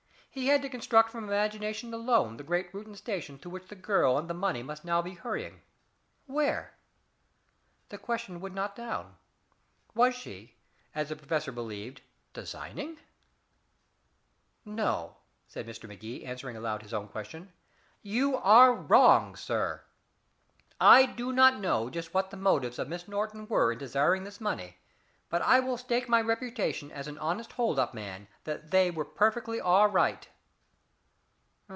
He had to construct from imagination alone the great Reuton station through which the girl and the money must now be hurrying where? The question would not down. Was she as the professor believed designing? "No," said Mr. Magee, answering aloud his own question. "You are wrong, sir. I do not know just what the motives of Miss Norton were in desiring this money, but I will stake my reputation as an honest hold up man that they were perfectly all right."